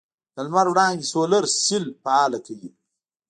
د لمر وړانګې سولر سیل فعاله کوي.